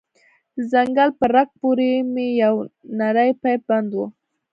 د څنگل په رگ پورې مې يو نرى پيپ بند و.